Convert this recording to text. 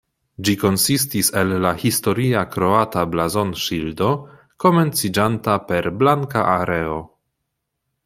Ĝi konsistis el la historia kroata blazonŝildo, komenciĝanta per blanka areo.